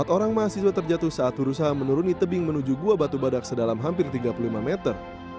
empat orang mahasiswa terjatuh saat berusaha menuruni tebing menuju gua batu badak sedalam hampir tiga puluh lima meter